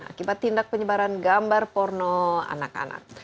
akibat tindak penyebaran gambar porno anak anak